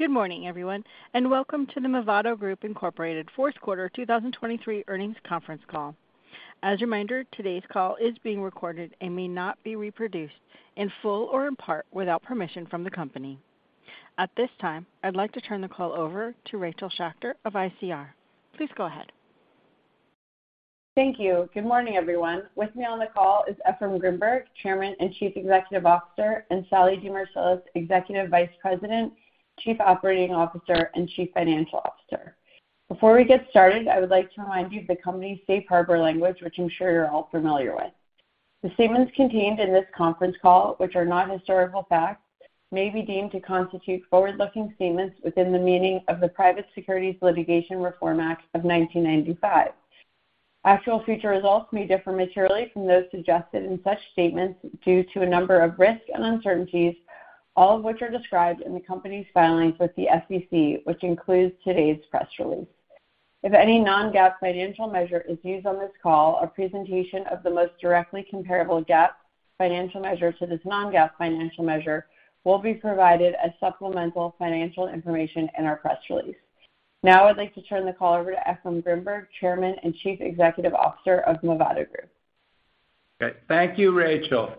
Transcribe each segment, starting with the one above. Good morning, everyone, welcome to the Movado Group, Inc. Fourth Quarter 2023 Earnings Conference Call. As a reminder, today's call is being recorded and may not be reproduced, in full or in part, without permission from the company. At this time, I'd like to turn the call over to Rachel Schacter of ICR. Please go ahead. Thank you. Good morning, everyone. With me on the call is Efraim Grinberg, Chairman and Chief Executive Officer, and Sallie DeMarsilis, Executive Vice President, Chief Operating Officer and Chief Financial Officer. Before we get started, I would like to remind you of the company's safe harbor language, which I'm sure you're all familiar with. The statements contained in this conference call, which are not historical facts, may be deemed to constitute forward-looking statements within the meaning of the Private Securities Litigation Reform Act of 1995. Actual future results may differ materially from those suggested in such statements due to a number of risks and uncertainties, all of which are described in the company's filings with the SEC, which includes today's press release. If any non-GAAP financial measure is used on this call, a presentation of the most directly comparable GAAP financial measure to this non-GAAP financial measure will be provided as supplemental financial information in our press release. I'd like to turn the call over to Efraim Grinberg, Chairman and Chief Executive Officer of Movado Group. Okay. Thank you, Rachel.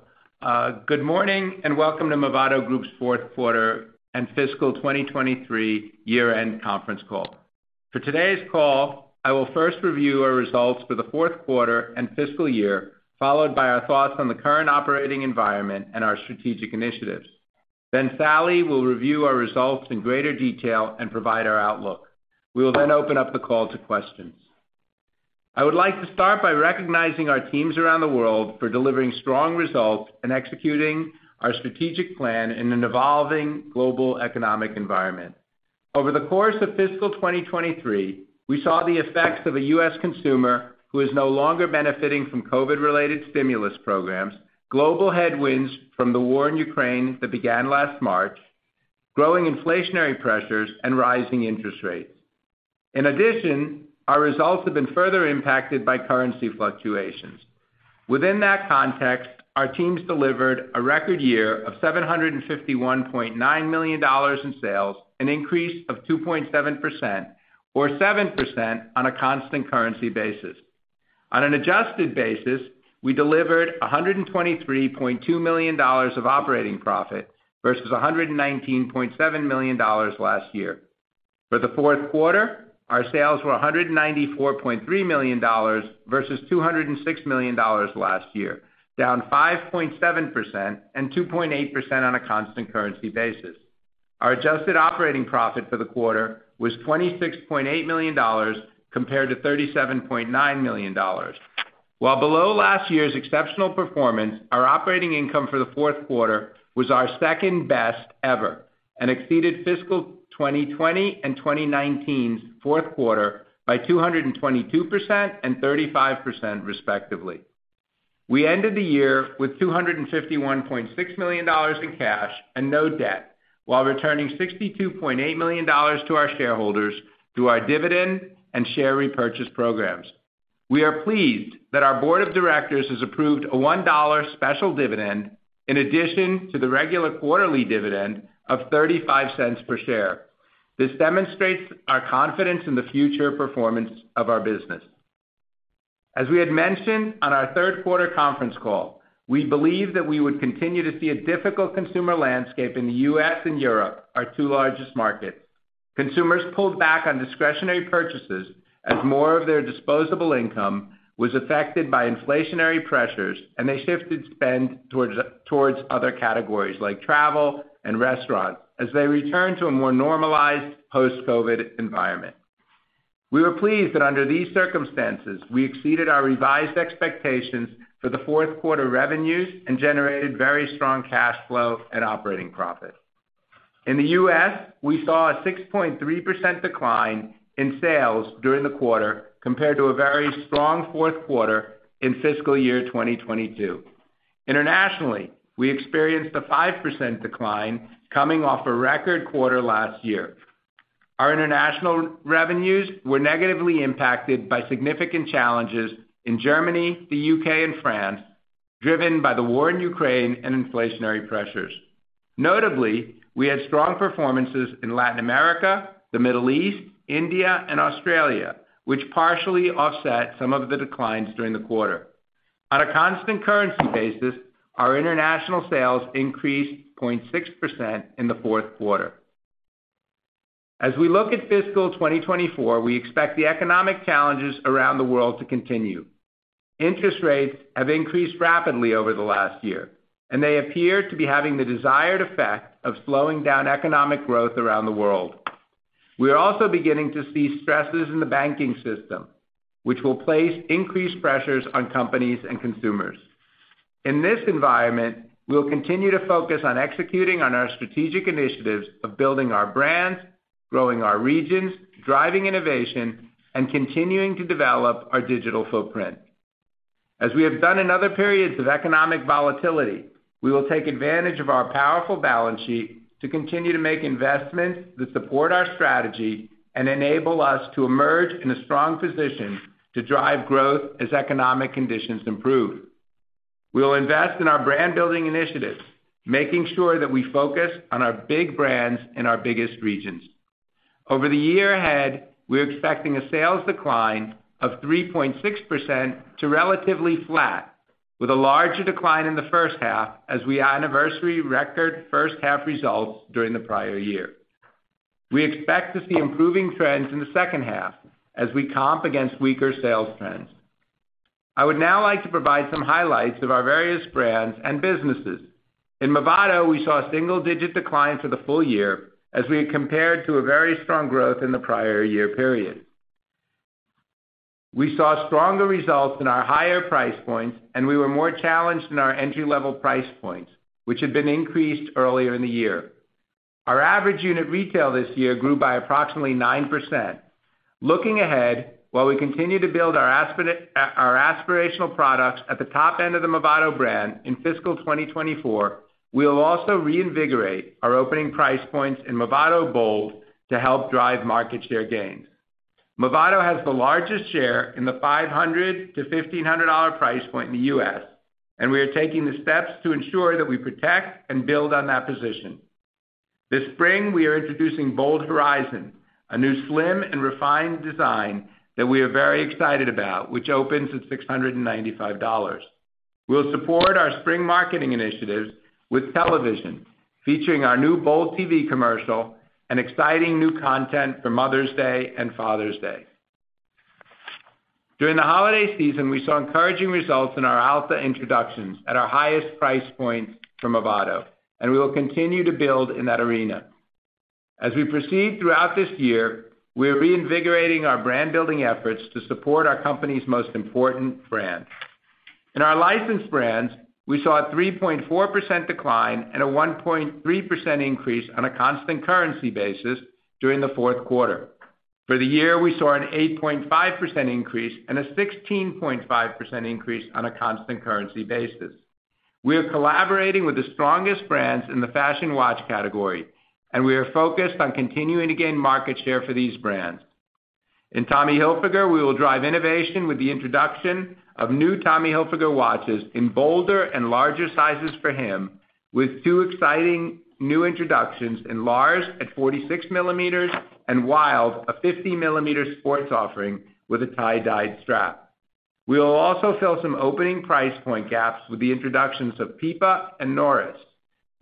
Good morning and welcome to Movado Group's fourth quarter and fiscal 2023 year-end conference call. For today's call, I will first review our results for the fourth quarter and fiscal year, followed by our thoughts on the current operating environment and our strategic initiatives. Sallie will review our results in greater detail and provide our outlook. We will then open up the call to questions. I would like to start by recognizing our teams around the world for delivering strong results and executing our strategic plan in an evolving global economic environment. Over the course of fiscal 2023, we saw the effects of a U.S. consumer who is no longer benefiting from COVID-related stimulus programs, global headwinds from the war in Ukraine that began last March, growing inflationary pressures, and rising interest rates. In addition, our results have been further impacted by currency fluctuations. Within that context, our teams delivered a record year of $751.9 million in sales, an increase of 2.7% or 7% on a constant currency basis. On an adjusted basis, we delivered $123.2 million of operating profit versus $119.7 million last year. For the fourth quarter, our sales were $194.3 million versus $206 million last year, down 5.7% and 2.8% on a constant currency basis. Our adjusted operating profit for the quarter was $26.8 million compared to $37.9 million. While below last year's exceptional performance, our operating income for the fourth quarter was our second best ever and exceeded fiscal 2020 and 2019's fourth quarter by 222% and 35% respectively. We ended the year with $251.6 million in cash and no debt while returning $62.8 million to our shareholders through our dividend and share repurchase programs. We are pleased that our board of directors has approved a $1 special dividend in addition to the regular quarterly dividend of $0.35 per share. This demonstrates our confidence in the future performance of our business. As we had mentioned on our third quarter conference call, we believe that we would continue to see a difficult consumer landscape in the U.S. and Europe, our two largest markets. Consumers pulled back on discretionary purchases as more of their disposable income was affected by inflationary pressures. They shifted spend towards other categories like travel and restaurants as they return to a more normalized post-COVID environment. We were pleased that under these circumstances, we exceeded our revised expectations for the fourth quarter revenues and generated very strong cash flow and operating profit. In the U.S., we saw a 6.3% decline in sales during the quarter compared to a very strong fourth quarter in fiscal year 2022. Internationally, we experienced a 5% decline coming off a record quarter last year. Our international revenues were negatively impacted by significant challenges in Germany, the U.K., and France, driven by the war in Ukraine and inflationary pressures. Notably, we had strong performances in Latin America, the Middle East, India, and Australia, which partially offset some of the declines during the quarter. On a constant currency basis, our international sales increased 0.6% in the fourth quarter. As we look at fiscal 2024, we expect the economic challenges around the world to continue. Interest rates have increased rapidly over the last year, and they appear to be having the desired effect of slowing down economic growth around the world. We are also beginning to see stresses in the banking system, which will place increased pressures on companies and consumers. In this environment, we'll continue to focus on executing on our strategic initiatives of building our brands, growing our regions, driving innovation, and continuing to develop our digital footprint. As we have done in other periods of economic volatility, we will take advantage of our powerful balance sheet to continue to make investments that support our strategy and enable us to emerge in a strong position to drive growth as economic conditions improve. We will invest in our brand-building initiatives, making sure that we focus on our big brands in our biggest regions. Over the year ahead, we're expecting a sales decline of 3.6% to relatively flat, with a larger decline in the first half as we anniversary record first-half results during the prior year. We expect to see improving trends in the second half as we comp against weaker sales trends. I would now like to provide some highlights of our various brands and businesses. In Movado, we saw a single-digit decline for the full year as we compared to a very strong growth in the prior year period. We saw stronger results in our higher price points, and we were more challenged in our entry-level price points, which had been increased earlier in the year. Our average unit retail this year grew by approximately 9%. Looking ahead, while we continue to build our aspirational products at the top end of the Movado brand in fiscal 2024, we will also reinvigorate our opening price points in Movado BOLD to help drive market share gains. Movado has the largest share in the $500-$1,500 price point in the US, and we are taking the steps to ensure that we protect and build on that position. This spring, we are introducing BOLD Horizon, a new slim and refined design that we are very excited about, which opens at $695. We'll support our spring marketing initiatives with television, featuring our new BOLD TV commercial and exciting new content for Mother's Day and Father's Day. During the holiday season, we saw encouraging results in our Alpha introductions at our highest price points for Movado, and we will continue to build in that arena. As we proceed throughout this year, we are reinvigorating our brand-building efforts to support our company's most important brand. In our licensed brands, we saw a 3.4% decline and a 1.3% increase on a constant currency basis during the fourth quarter. For the year, we saw an 8.5% increase and a 16.5% increase on a constant currency basis. We are collaborating with the strongest brands in the fashion watch category, and we are focused on continuing to gain market share for these brands. In Tommy Hilfiger, we will drive innovation with the introduction of new Tommy Hilfiger watches in bolder and larger sizes for him, with two exciting new introductions in Large at 46 millimeters and Wild, a 50 mm sports offering with a tie-dyed strap. We will also fill some opening price point gaps with the introductions of Pipa and Norris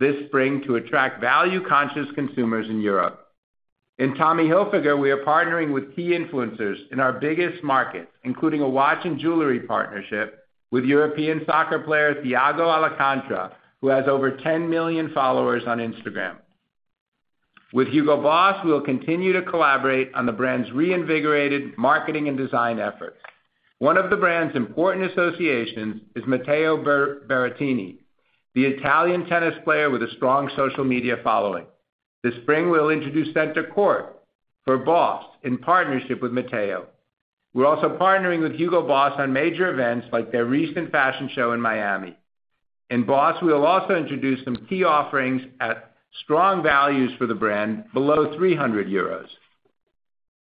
this spring to attract value-conscious consumers in Europe. In Tommy Hilfiger, we are partnering with key influencers in our biggest markets, including a watch and jewelry partnership with European soccer player Thiago Alcantara, who has over 10 million followers on Instagram. With HUGO BOSS, we will continue to collaborate on the brand's reinvigorated marketing and design efforts. One of the brand's important associations is Matteo Berrettini, the Italian tennis player with a strong social media following. This spring, we'll introduce Center court for BOSS in partnership with Matteo. We're also partnering with HUGO BOSS on major events like their recent fashion show in Miami. In BOSS, we will also introduce some key offerings at strong values for the brand below 300 euros.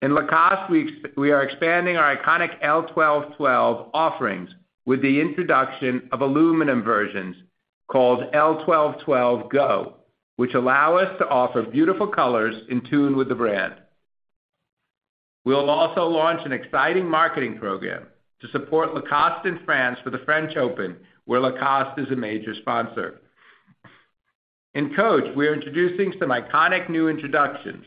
In Lacoste, we are expanding our iconic L.12.12 offerings with the introduction of aluminum versions called L.12.12 Go, which allow us to offer beautiful colors in tune with the brand. We'll also launch an exciting marketing program to support Lacoste in France for the French Open, where Lacoste is a major sponsor. In Coach, we are introducing some iconic new introductions.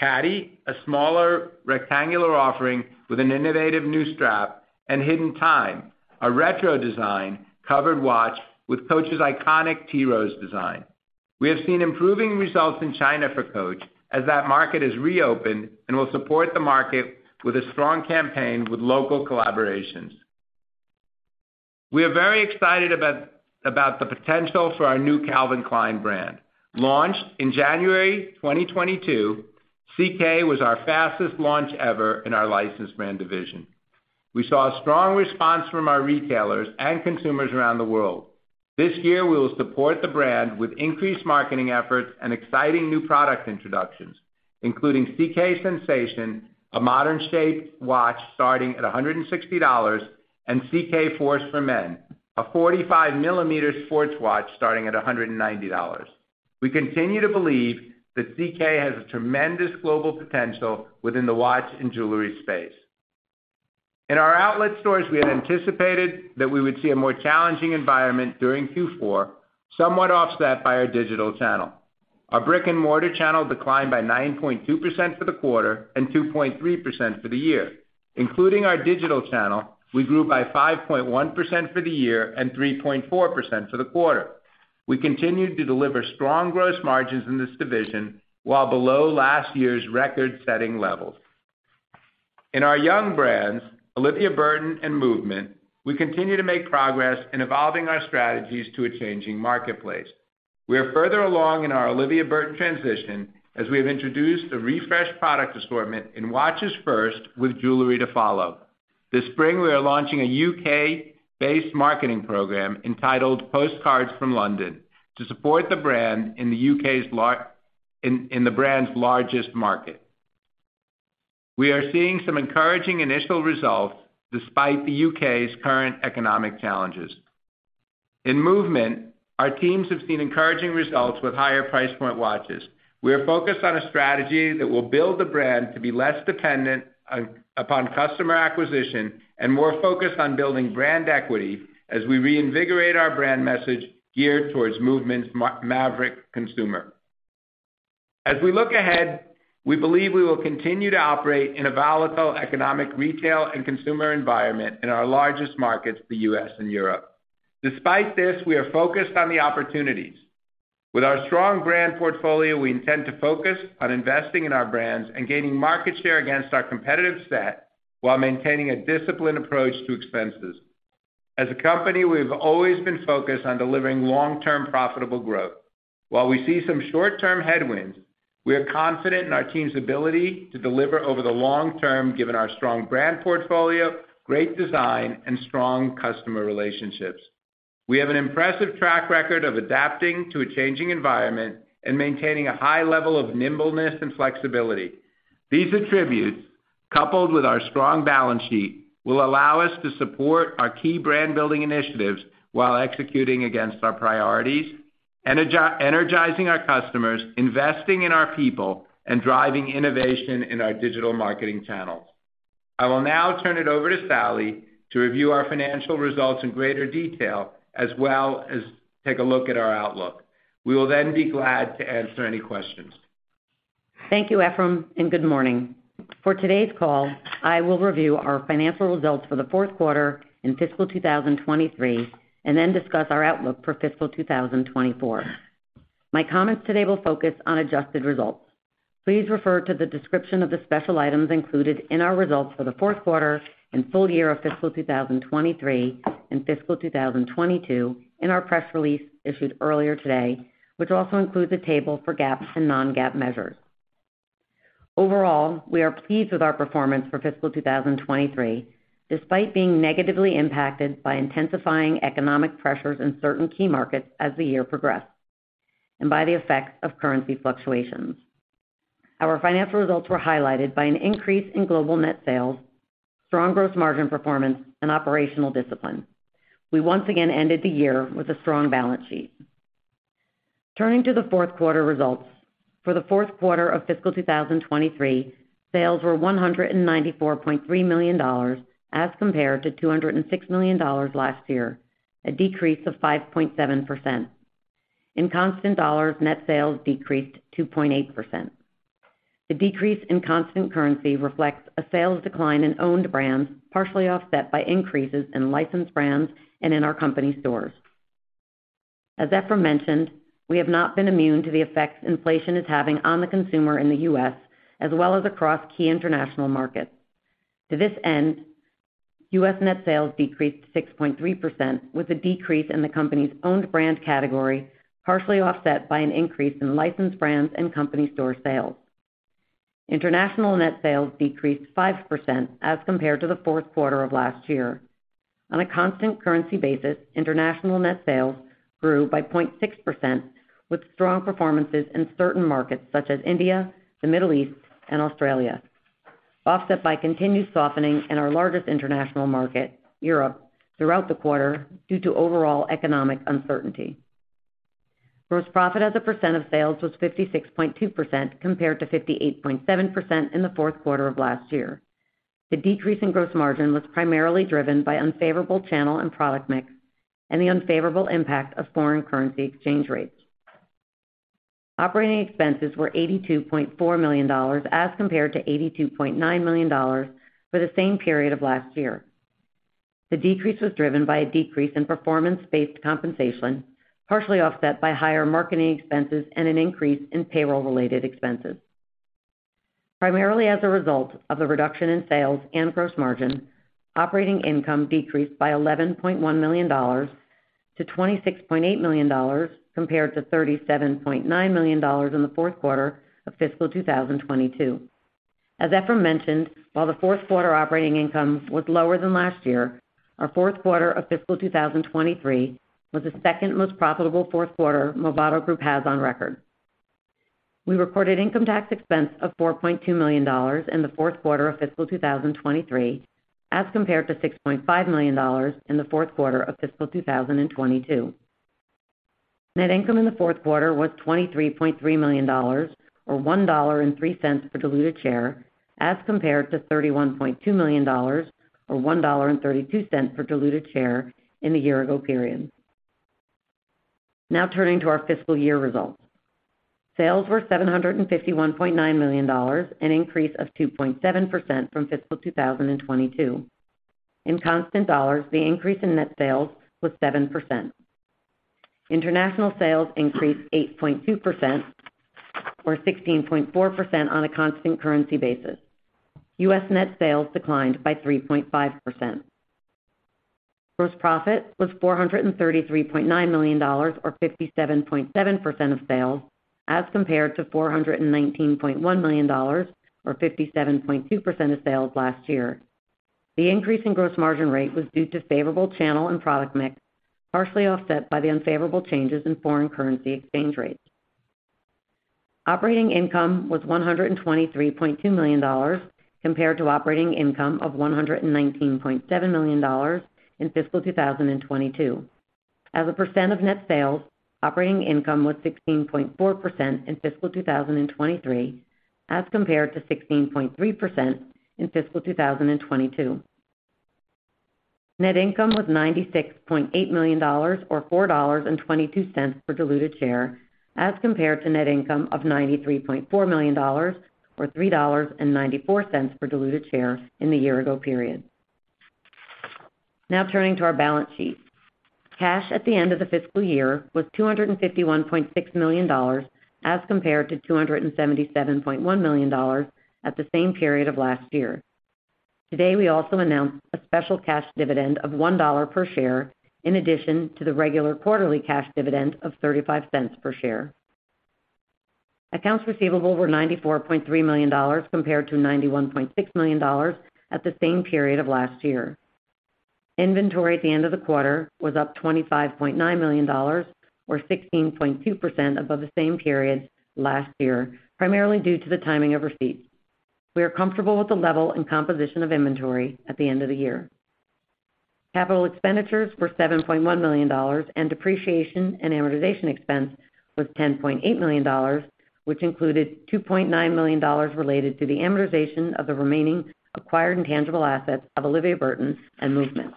Caddy, a smaller rectangular offering with an innovative new strap, and Hidden Time, a retro design covered watch with Coach's iconic Tea Rose design. We have seen improving results in China for Coach as that market has reopened and will support the market with a strong campaign with local collaborations. We are very excited about the potential for our new Calvin Klein brand. Launched in January 2022, CK was our fastest launch ever in our licensed brand division. We saw a strong response from our retailers and consumers around the world. This year, we will support the brand with increased marketing efforts and exciting new product introductions, including CK Sensation, a modern-shaped watch starting at $160, and CK Force for Men, a 45 mm sports watch starting at $190. We continue to believe that CK has a tremendous global potential within the watch and jewelry space. In our outlet stores, we had anticipated that we would see a more challenging environment during Q4, somewhat offset by our digital channel. Our brick-and-mortar channel declined by 9.2% for the quarter and 2.3% for the year. Including our digital channel, we grew by 5.1% for the year and 3.4% for the quarter. We continued to deliver strong gross margins in this division while below last year's record-setting levels. In our young brands, Olivia Burton and MVMT, we continue to make progress in evolving our strategies to a changing marketplace. We are further along in our Olivia Burton transition as we have introduced a refreshed product assortment in watches first with jewelry to follow. This spring, we are launching a U.K.-based marketing program entitled Postcards from London to support the brand in the U.K.'s in the brand's largest market. We are seeing some encouraging initial results despite the U.K.'s current economic challenges. In MVMT, our teams have seen encouraging results with higher price point watches. We are focused on a strategy that will build the brand to be less dependent upon customer acquisition and more focused on building brand equity as we reinvigorate our brand message geared towards MVMT's maverick consumer. We look ahead, we believe we will continue to operate in a volatile economic, retail, and consumer environment in our largest markets, the U.S. and Europe. Despite this, we are focused on the opportunities. With our strong brand portfolio, we intend to focus on investing in our brands and gaining market share against our competitive set while maintaining a disciplined approach to expenses. As a company, we've always been focused on delivering long-term profitable growth. While we see some short-term headwinds, we are confident in our team's ability to deliver over the long term, given our strong brand portfolio, great design, and strong customer relationships. We have an impressive track record of adapting to a changing environment and maintaining a high level of nimbleness and flexibility. These attributes, coupled with our strong balance sheet, will allow us to support our key brand-building initiatives while executing against our priorities, energizing our customers, investing in our people, and driving innovation in our digital marketing channels. I will now turn it over to Sallie to review our financial results in greater detail as well as take a look at our outlook. We will be glad to answer any questions. Thank you, Efraim, and good morning. For today's call, I will review our financial results for the fourth quarter in fiscal 2023 and then discuss our outlook for fiscal 2024. My comments today will focus on adjusted results. Please refer to the description of the special items included in our results for the fourth quarter and full year of fiscal 2023 and fiscal 2022 in our press release issued earlier today, which also includes a table for GAAP and non-GAAP measures. Overall, we are pleased with our performance for fiscal 2023, despite being negatively impacted by intensifying economic pressures in certain key markets as the year progressed, and by the effects of currency fluctuations. Our financial results were highlighted by an increase in global net sales, strong gross margin performance, and operational discipline. We once again ended the year with a strong balance sheet. Turning to the fourth quarter results. For the fourth quarter of fiscal 2023, sales were $194.3 million as compared to $206 million last year, a decrease of 5.7%. In constant dollars, net sales decreased 2.8%. The decrease in constant currency reflects a sales decline in owned brands, partially offset by increases in licensed brands and in our company stores. As Efraim mentioned, we have not been immune to the effects inflation is having on the consumer in the U.S. as well as across key international markets. To this end, U.S. net sales decreased 6.3% with a decrease in the company's own brand category, partially offset by an increase in licensed brands and company store sales. International net sales decreased 5% as compared to the fourth quarter of last year. On a constant currency basis, international net sales grew by 0.6% with strong performances in certain markets such as India, the Middle East, and Australia, offset by continued softening in our largest international market, Europe, throughout the quarter due to overall economic uncertainty. Gross profit as a percent of sales was 56.2%, compared to 58.7% in the fourth quarter of last year. The decrease in gross margin was primarily driven by unfavorable channel and product mix and the unfavorable impact of foreign currency exchange rates. Operating expenses were $82.4 million, as compared to $82.9 million for the same period of last year. The decrease was driven by a decrease in performance-based compensation, partially offset by higher marketing expenses and an increase in payroll-related expenses. Primarily as a result of the reduction in sales and gross margin, operating income decreased by $11.1 million to $26.8 million compared to $37.9 million in the fourth quarter of fiscal 2022. As Efraim mentioned, while the fourth quarter operating income was lower than last year, our fourth quarter of fiscal 2023 was the second most profitable fourth quarter Movado Group has on record. We recorded income tax expense of $4.2 million in the fourth quarter of fiscal 2023, as compared to $6.5 million in the fourth quarter of fiscal 2022. Net income in the fourth quarter was $23.3 million or $1.03 per diluted share, as compared to $31.2 million or $1.32 per diluted share in the year-ago period. Now turning to our fiscal year results. Sales were $751.9 million, an increase of 2.7% from fiscal 2022. In constant dollars, the increase in net sales was 7%. International sales increased 8.2%, or 16.4% on a constant currency basis. U.S. net sales declined by 3.5%. Gross profit was $433.9 million or 57.7% of sales as compared to $419.1 million or 57.2% of sales last year. The increase in gross margin rate was due to favorable channel and product mix, partially offset by the unfavorable changes in foreign currency exchange rates. Operating income was $123.2 million compared to operating income of $119.7 million in fiscal 2022. As a percent of net sales, operating income was 16.4% in fiscal 2023, as compared to 16.3% in fiscal 2022. Net income was $96.8 million or $4.22 per diluted share, as compared to net income of $93.4 million or $3.94 per diluted share in the year-ago period. Turning to our balance sheet. Cash at the end of the fiscal year was $251.6 million, as compared to $277.1 million at the same period of last year. Today, we also announced a special cash dividend of $1 per share in addition to the regular quarterly cash dividend of $0.35 per share. Accounts receivable were $94.3 million compared to $91.6 million at the same period of last year. Inventory at the end of the quarter was up $25.9 million or 16.2% above the same period last year, primarily due to the timing of receipts. We are comfortable with the level and composition of inventory at the end of the year. Capital expenditures were $7.1 million, and depreciation and amortization expense was $10.8 million, which included $2.9 million related to the amortization of the remaining acquired and tangible assets of Olivia Burton and MVMT.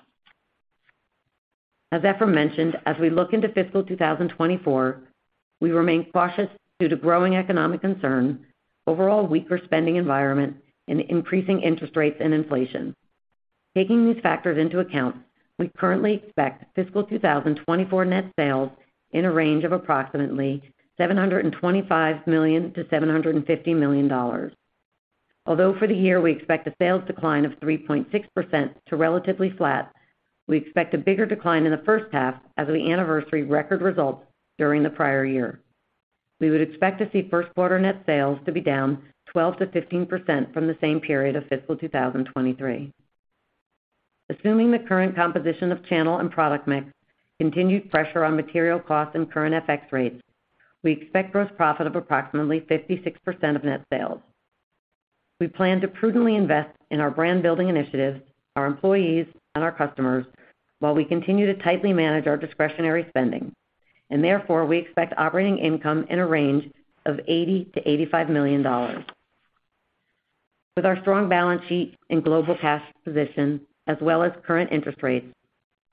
As Efraim mentioned, as we look into fiscal 2024, we remain cautious due to growing economic concern, overall weaker spending environment, and increasing interest rates and inflation. Taking these factors into account, we currently expect fiscal 2024 net sales in a range of approximately $725-$750 million. Although for the year, we expect a sales decline of 3.6% to relatively flat, we expect a bigger decline in the first half as of the anniversary record results during the prior year. We would expect to see first quarter net sales to be down 12%-15% from the same period of fiscal 2023. Assuming the current composition of channel and product mix, continued pressure on material costs and current FX rates, we expect gross profit of approximately 56% of net sales. We plan to prudently invest in our brand-building initiatives, our employees, and our customers while we continue to tightly manage our discretionary spending. Therefore, we expect operating income in a range of $80-$85 million. With our strong balance sheet and global cash position as well as current interest rates,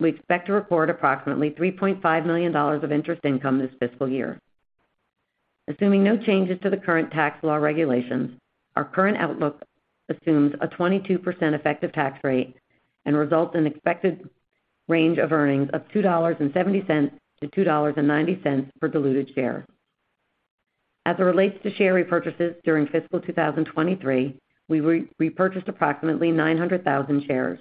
we expect to report approximately $3.5 million of interest income this fiscal year. Assuming no changes to the current tax law regulations, our current outlook assumes a 22% effective tax rate and results in expected range of earnings of $2.70-$2.90 per diluted share. As it relates to share repurchases during fiscal 2023, we repurchased approximately 900,000 shares.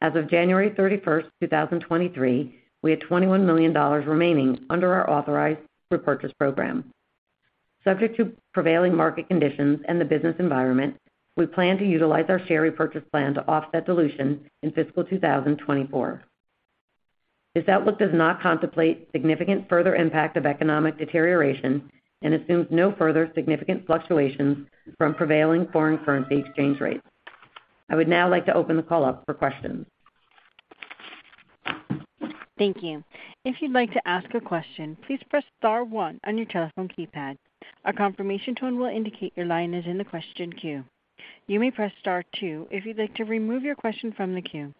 As of January 31st, 2023, we had $21 million remaining under our authorized repurchase program. Subject to prevailing market conditions and the business environment, we plan to utilize our share repurchase plan to offset dilution in fiscal 2024. This outlook does not contemplate significant further impact of economic deterioration and assumes no further significant fluctuations from prevailing foreign currency exchange rates. I would now like to open the call up for questions. Thank you. If you'd like to ask a question, please press star 1 on your telephone keypad. A confirmation tone will indicate your line is in the question queue. You may press star two if you'd like to remove your question from the queue.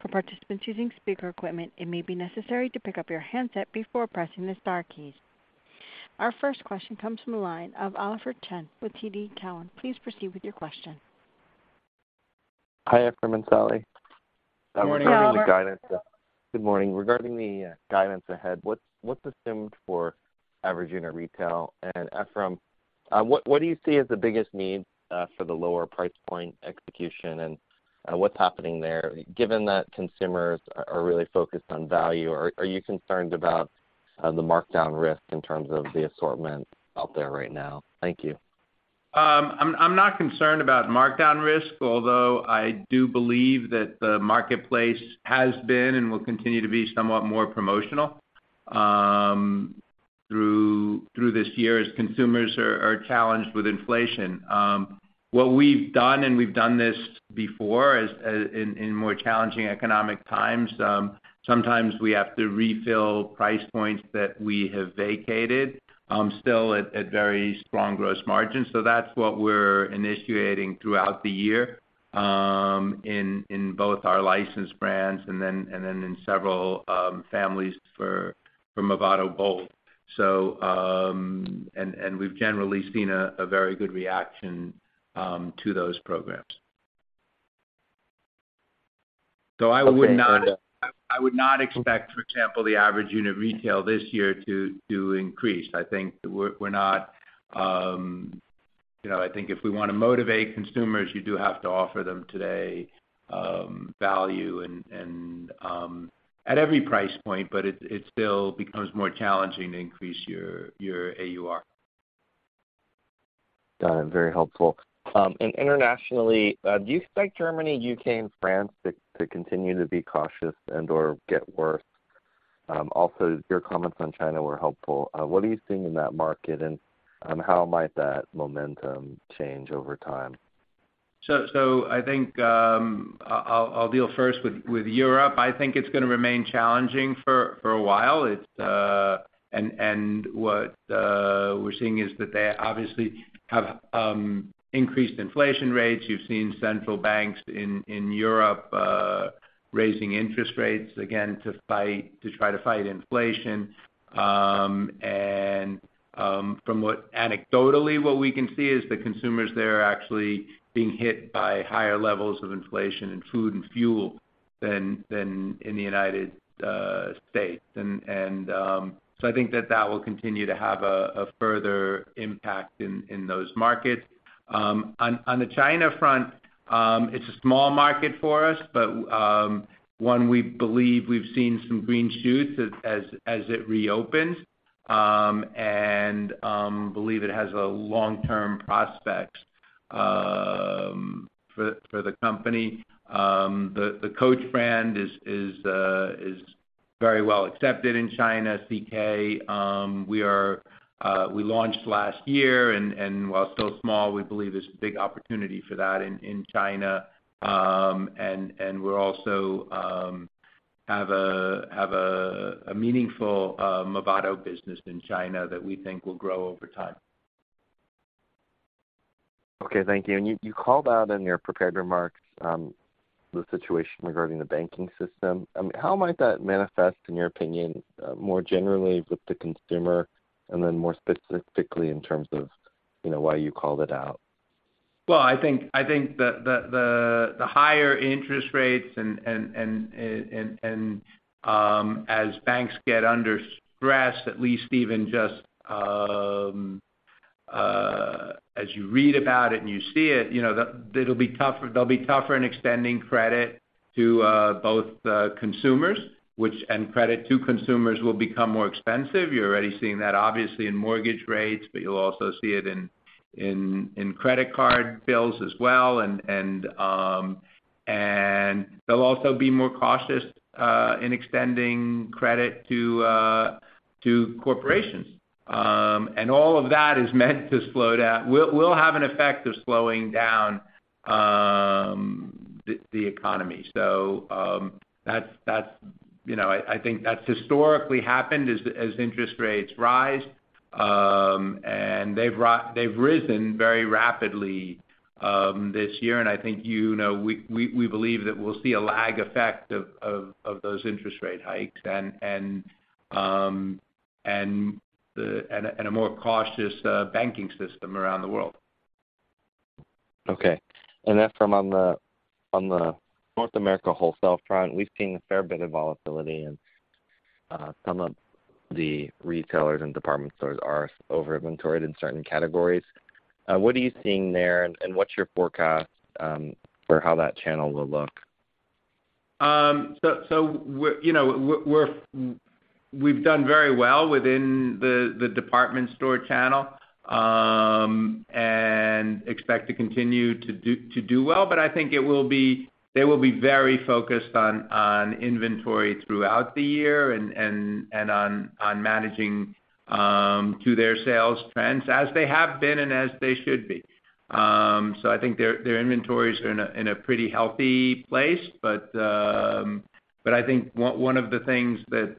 For participants using speaker equipment, it may be necessary to pick up your handset before pressing the star keys. Our first question comes from the line of Oliver Chen with TD Cowen. Please proceed with your question. Hi, Efraim and Sallie. Good morning, Oliver. Good morning. Regarding the guidance ahead, what's assumed for average unit retail? Efraim, what do you see as the biggest need for the lower price point execution, and what's happening there? Given that consumers are really focused on value, are you concerned about the markdown risk in terms of the assortment out there right now? Thank you. I'm not concerned about markdown risk, although I do believe that the marketplace has been and will continue to be somewhat more promotional through this year as consumers are challenged with inflation. What we've done, and we've done this before as in more challenging economic times, sometimes we have to refill price points that we have vacated, still at very strong gross margins. That's what we're initiating throughout the year, in both our licensed brands and then in several families for Movado Group. We've generally seen a very good reaction to those programs. I would not. Okay. I would not expect, for example, the average unit retail this year to increase. I think we're not, you know, I think if we wanna motivate consumers, you do have to offer them today, value and at every price point, but it still becomes more challenging to increase your AUR. Got it. Very helpful. Internationally, do you expect Germany, UK, and France to continue to be cautious and/or get worse? Your comments on China were helpful. What are you seeing in that market, and how might that momentum change over time? I think, I'll deal first with Europe. I think it's gonna remain challenging for a while. It's. What we're seeing is that they obviously have increased inflation rates. You've seen central banks in Europe raising interest rates again to try to fight inflation. Anecdotally, what we can see is the consumers there are actually being hit by higher levels of inflation in food and fuel than in the United States. I think that that will continue to have a further impact in those markets. On the China front, it's a small market for us, but one we believe we've seen some green shoots as it reopens and believe it has a long-term prospects for the company. The Coach brand is very well accepted in China. CK, we launched last year, and while still small, we believe there's a big opportunity for that in China. We're also have a meaningful Movado business in China that we think will grow over time. Okay. Thank you. You called out in your prepared remarks, the situation regarding the banking system. How might that manifest, in your opinion, more generally with the consumer, and then more specifically in terms of, you know, why you called it out? I think the higher interest rates and, as banks get under stress, at least even just, as you read about it and you see it, you know, they'll be tougher in extending credit to, both consumers, which, and credit to consumers will become more expensive. You're already seeing that obviously in mortgage rates, but you'll also see it in credit card bills as well. They'll also be more cautious in extending credit to corporations. All of that is meant to slow down. Will have an effect of slowing down the economy. That's, you know. I think that's historically happened as interest rates rise, and they've risen very rapidly this year. I think, you know, we believe that we'll see a lag effect of those interest rate hikes and a more cautious banking system around the world. Okay. Then from on the, on the North America wholesale front, we've seen a fair bit of volatility, and, some of the retailers and department stores are over-inventoried in certain categories. What are you seeing there, and what's your forecast for how that channel will look? We're, you know, we've done very well within the department store channel, and expect to continue to do well. I think they will be very focused on inventory throughout the year and on managing to their sales trends as they have been and as they should be. I think their inventories are in a pretty healthy place. I think one of the things that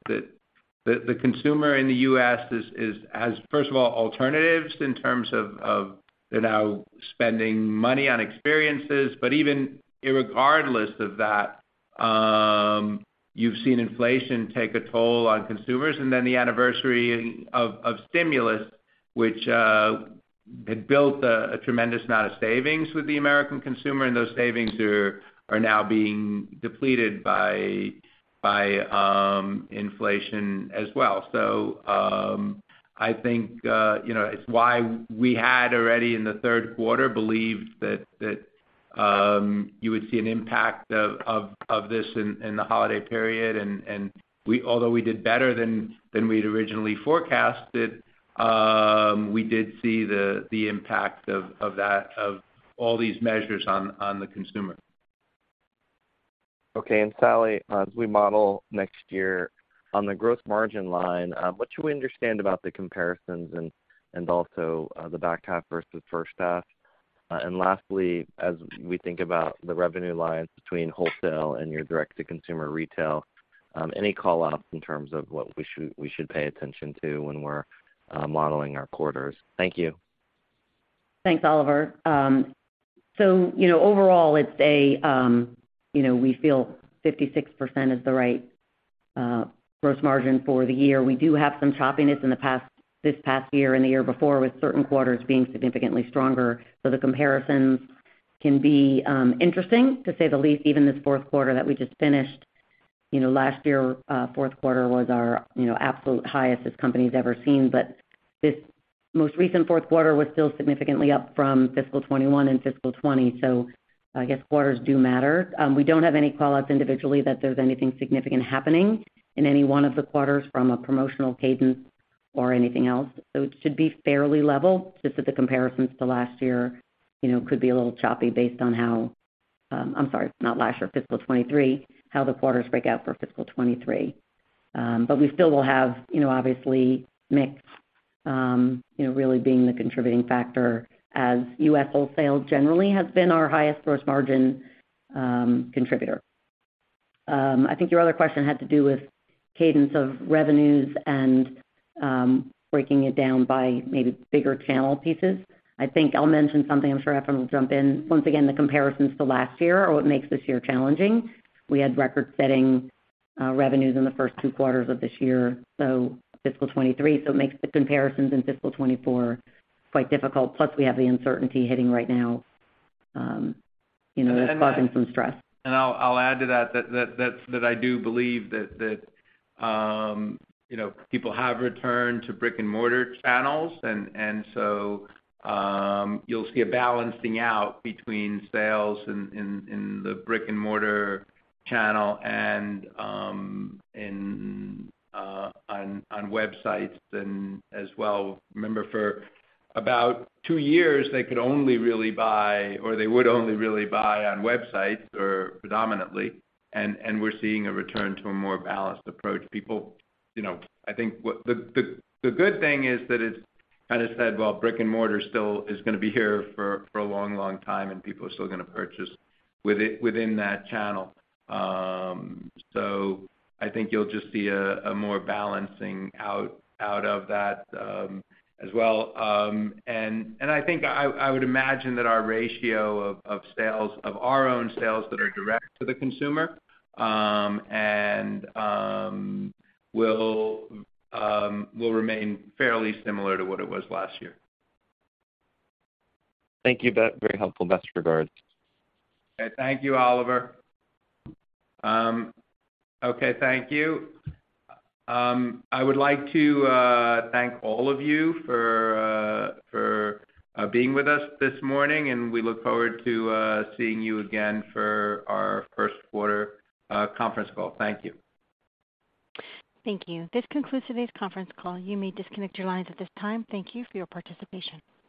the consumer in the U.S. is, has, first of all, alternatives in terms of they're now spending money on experiences. Even irregardless of that, you've seen inflation take a toll on consumers. Then the anniversary of stimulus, which had built a tremendous amount of savings with the American consumer, and those savings are now being depleted by inflation as well. I think, you know, it's why we had already in the third quarter believed that you would see an impact of this in the holiday period. Although we did better than we'd originally forecasted, we did see the impact of that, of all these measures on the consumer. Okay. Sallie, as we model next year on the gross margin line, what do we understand about the comparisons and also the back half versus first half? Lastly, as we think about the revenue lines between wholesale and your direct-to-consumer retail, any call-outs in terms of what we should pay attention to when we're modeling our quarters? Thank you. Thanks, Oliver. You know, overall, it's a, you know, we feel 56% is the right gross margin for the year. We do have some choppiness in the past, this past year and the year before, with certain quarters being significantly stronger. The comparisons can be interesting to say the least, even this fourth quarter that we just finished. You know, last year, fourth quarter was our, you know, absolute highest this company's ever seen. This most recent fourth quarter was still significantly up from fiscal 2021 and fiscal 2020. I guess quarters do matter. We don't have any call-outs individually that there's anything significant happening in any one of the quarters from a promotional cadence or anything else. It should be fairly level. Just that the comparisons to last year, you know, could be a little choppy based on how, I'm sorry, not last year, fiscal 2023, how the quarters break out for fiscal 2023. We still will have, you know, obviously mix, you know, really being the contributing factor as U.S. wholesale generally has been our highest gross margin contributor. I think your other question had to do with cadence of revenues and breaking it down by maybe bigger channel pieces. I think I'll mention something, I'm sure Efraim will jump in. Once again, the comparisons to last year are what makes this year challenging. We had record-setting revenues in the first two quarters of this year, so fiscal 2023, so it makes the comparisons in fiscal 2024 quite difficult. We have the uncertainty hitting right now, you know, that's causing some stress. I'll add to that I do believe that, you know, people have returned to brick-and-mortar channels. You'll see a balancing out between sales in the brick-and-mortar channel and on websites as well. Remember, for about two years, they could only really buy or they would only really buy on websites or predominantly, we're seeing a return to a more balanced approach. People, you know, I think the good thing is that it's kind of said, well, brick-and-mortar still is gonna be here for a long time, and people are still gonna purchase with it, within that channel. I think you'll just see a more balancing out of that as well. I think I would imagine that our ratio of sales, of our own sales that are direct to the consumer, and will remain fairly similar to what it was last year. Thank you. That very helpful. Best regards. Okay. Thank you, Oliver. I would like to thank all of you for being with us this morning. We look forward to seeing you again for our first quarter conference call. Thank you. Thank you. This concludes today's conference call. You may disconnect your lines at this time. Thank you for your participation.